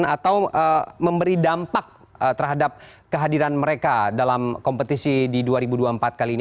atau memberi dampak terhadap kehadiran mereka dalam kompetisi di dua ribu dua puluh empat kali ini